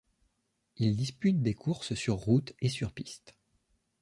Il dispute des courses sur route et sur piste.